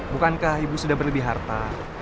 bukankah ibu sudah berlebih harta